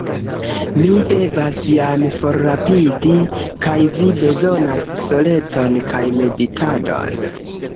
Mi devas jam forrapidi; kaj vi bezonas solecon kaj meditadon.